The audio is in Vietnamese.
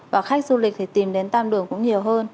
và khách du lịch thì tìm đến tam đường cũng nhiều hơn